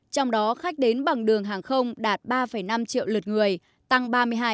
trong đó khách đến bằng đường hàng không đạt ba năm triệu lượt người tăng ba mươi hai